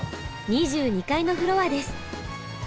２２階のフロアです。